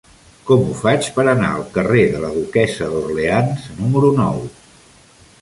Com ho faig per anar al carrer de la Duquessa d'Orleans número nou?